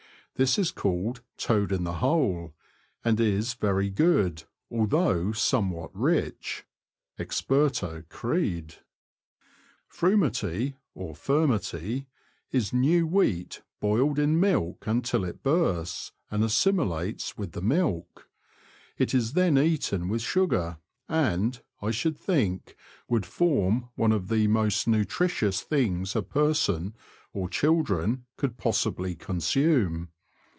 This is called '' toad in the hole,'' and is very good, although somewhat rich. Experto crede. Frumerty, or furmety, is new wheat boiled in milk until it bursts and assimilates with the milk. It is then eaten with sugar, and, I should think, would form one of the most nutritious things a person (or children) could possibly consume.